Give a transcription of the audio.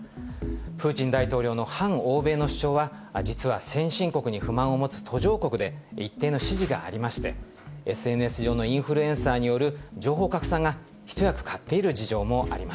プーチン大統領の反欧米の主張は、実は先進国に不満を持つ途上国で一定の支持がありまして、ＳＮＳ上のインフルエンサーによる情報拡散が一役買っている事情